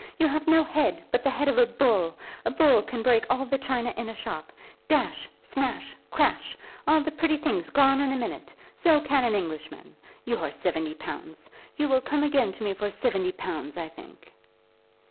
You have no head, but the head of a bull. A bull can break all the china in a shop, dash, smash, crash, all the pretty things gone in a minute! So can an Englishman. Your seventy pounds! You will come again to me for seventy pounds, I think."